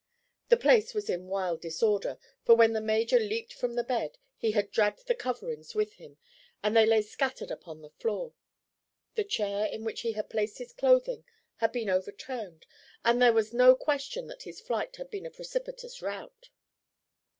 The place was in wild disorder, for when the major leaped from the bed he had dragged the coverings with him and they lay scattered upon the floor. The chair in which he had placed his clothing had been overturned and there was no question that his flight had been a precipitous rout.